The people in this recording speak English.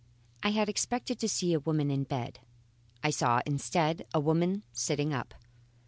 I had expected to see a woman in bed. I saw instead, a woman sitting up.